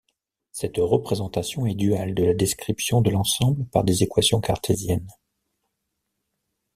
Cette représentation est duale de la description de l’ensemble par des équations cartésiennes.